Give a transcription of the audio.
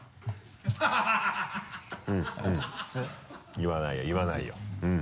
言わないよ言わないようん。